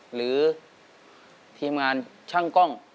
หรือทีมงานช่างกล้อง